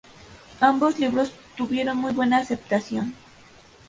Ambos libros tuvieron muy buena aceptación.